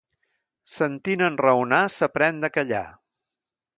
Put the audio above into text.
Sentint enraonar s'aprèn de callar.